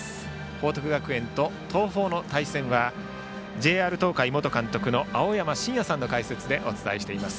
報徳学園と東邦の対戦はＪＲ東海元監督の青山眞也さんの解説でお伝えをしています。